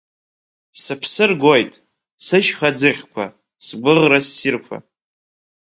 Сыԥсы ргоит, сышьха ӡыхьқәа, сгәыӷра ссирқәа…